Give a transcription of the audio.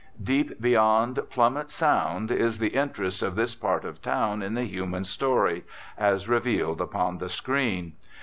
Deep beyond plummet's sound is the interest of this part of town in the human story, as revealed upon the "screen."